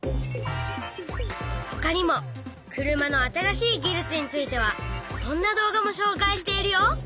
ほかにも車の新しい技術についてはこんな動画もしょうかいしているよ。